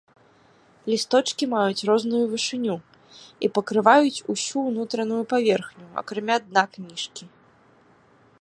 Лісточкі маюць розную вышыню і пакрываюць ўсю ўнутраную паверхню, акрамя дна кніжкі.